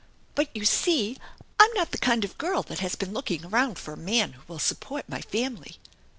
"But you see I'm not the kind of a girl that has been looking around for a man who will support my family."